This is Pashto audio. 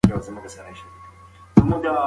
ډاکټر امل سټرلینګ وايي، ناروغان اندېښمن وي.